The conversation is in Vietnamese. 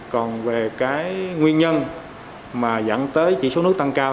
còn về cái nguyên nhân mà dẫn tới chỉ số nước tăng cao